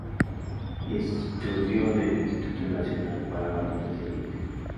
Estudió en el Instituto Nacional para Varones de Oriente.